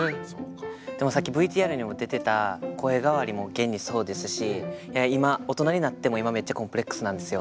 でもさっきＶＴＲにも出てた声変わりも現にそうですし今大人になっても今めっちゃコンプレックスなんですよ。